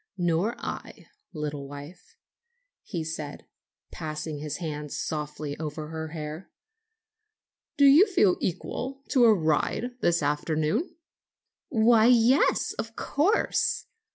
"Nor I, little wife," he said, passing his hand softly over her hair. "Do you feel equal to a ride this afternoon?" "Why, yes; of course!